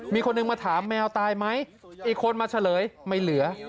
มีคนหนึ่งมาถามแมวตายไหมอีกคนมาเฉลยไม่เหลือ